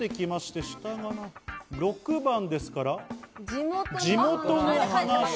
６番ですから、地元の話。